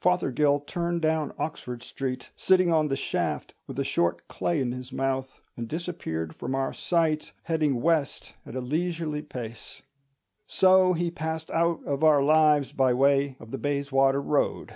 Fothergill turned down Oxford Street, sitting on the shaft with a short clay in his mouth, and disappeared from our sight, heading west at a leisurely pace. So he passed out of our lives by way of the Bayswater Road.